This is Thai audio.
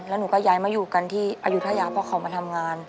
แล้วหนูก็ย้ายมาอยู่กันที่อายุทยาเพราะเขามาทำงาน